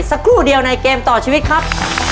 สักครู่เดียวในเกมต่อชีวิตครับ